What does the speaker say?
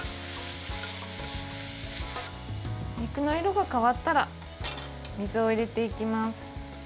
肉の色が変わったら水を入れていきます。